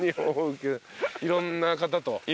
いろんな方と？